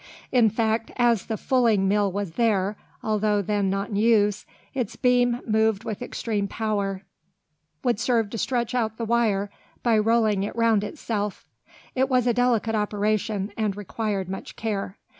In fact, as the fulling mill was there, although not then in use, its beam moved with extreme power would serve to stretch out the wire by rolling it round itself. It was a delicate operation, and required much care.